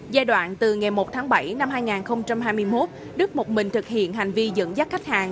giai đoạn từ ngày một tháng bảy năm hai nghìn hai mươi một đức một mình thực hiện hành vi dẫn dắt khách hàng